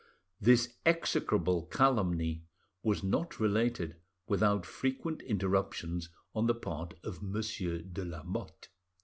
'" This execrable calumny was not related without frequent interruptions on the part of Monsieur de Lamotte.